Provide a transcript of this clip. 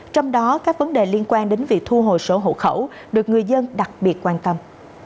trong đó các vấn đề liên quan đến việc thu hồi sổ hộ khẩu được người dân đặc biệt quan tâm